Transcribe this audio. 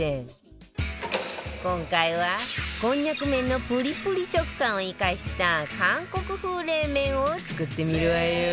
今回はこんにゃく麺のプリプリ食感を生かした韓国風冷麺を作ってみるわよ